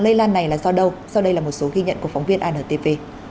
lây lan này là do đâu sau đây là một số ghi nhận của phóng viên antv